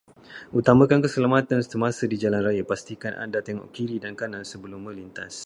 Utamakan keselamatan semasa di jalan raya, pastikan anda tengok kiri dan kanan sebelum menlintas.